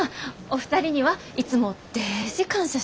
お二人にはいつもデージ感謝しています。